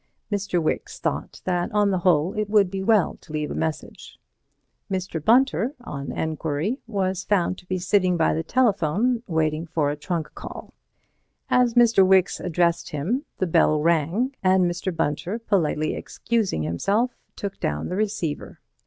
Mr. Wicks thought that on the whole it would be well to leave a message. Mr. Bunter, on enquiry, was found to be sitting by the telephone, waiting for a trunk call. As Mr. Wicks addressed him the bell rang, and Mr. Bunter, politely excusing himself, took down the receiver.